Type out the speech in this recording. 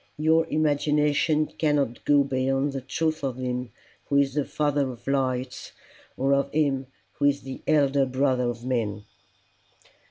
Your imagination cannot go beyond the truth of him who is the Father of lights, or of him who is the Elder Brother of men."